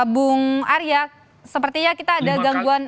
bung arya sepertinya kita ada gangguan